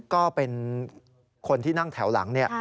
ก็เป็นคนที่นั่งแถวหลังเนี่ย